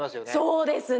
そうですね。